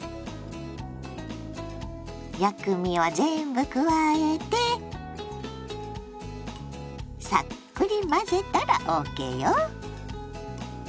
薬味を全部加えてさっくり混ぜたらＯＫよ！